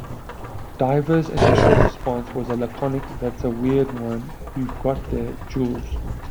Dwyer's initial response was a laconic that's a weird one you've got there, Jules.